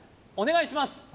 お願いします